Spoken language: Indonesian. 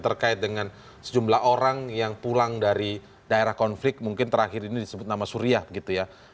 terkait dengan sejumlah orang yang pulang dari daerah konflik mungkin terakhir ini disebut nama suriah begitu ya